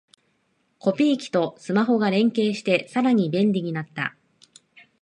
コピー機とスマホが連携してさらに便利になった